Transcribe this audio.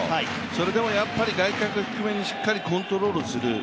それでも、外角低めにしっかりコントロールする。